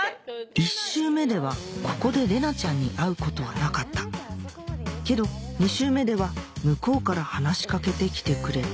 １周目ではここで玲奈ちゃんに会うことはなかったけど２周目では向こうから話しかけてきてくれた